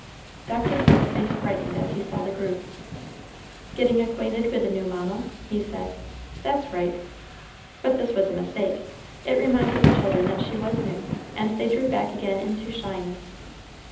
Dr. Flint's face brightened as he saw the group. "Getting acquainted with the new mamma?" he said. "That's right." But this was a mistake. It reminded the children that she was new, and they drew back again into shyness.